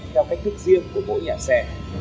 theo cách thức riêng của mỗi nhà xe